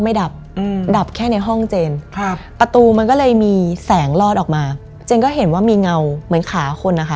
เราเป็นคนล็อกเองนะ